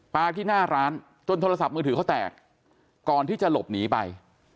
ที่หน้าร้านจนโทรศัพท์มือถือเขาแตกก่อนที่จะหลบหนีไป